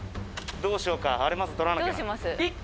どうしようかあれまず取らなきゃ。